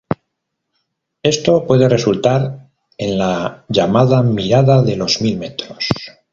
Esto puede resultar en la llamada mirada de los mil metros.